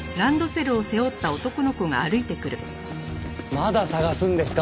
まだ捜すんですか？